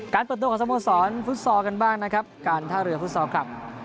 เปิดตัวของสโมสรฟุตซอลกันบ้างนะครับการท่าเรือฟุตซอลคลับ